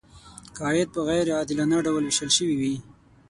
که عاید په غیر عادلانه ډول ویشل شوی وي.